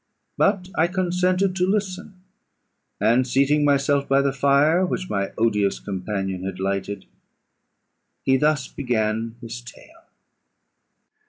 But I consented to listen; and, seating myself by the fire which my odious companion had lighted, he thus began his tale.